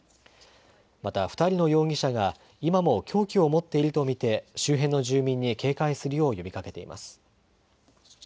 また２人の容疑者が今も凶器を持っていると見て周辺の住民に警戒するよう呼びかけています。